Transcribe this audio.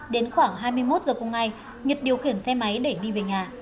đến khoảng hai mươi một giờ cùng ngày nhật điều khiển xe máy để đi về nhà